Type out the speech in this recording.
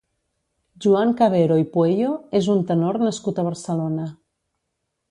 Joan Cabero i Pueyo és un tenor nascut a Barcelona.